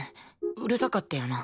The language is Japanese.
うるさかったよな。